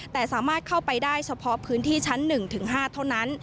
แต่สามารถเข้าไปได้เฉพาะพื้นที่ชั้น๑ถึง๕เท่านั้น